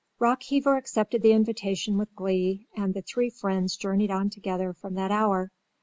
Rockheaver accepted the invitation with glee and the three friends journeyed on together from that hour.